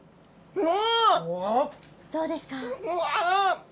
うわ！